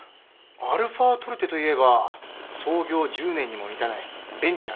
αトルテといえば創業１０年にも満たないベンチャーだよね。